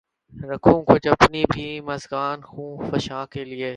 رکھوں کچھ اپنی بھی مژگان خوں فشاں کے لیے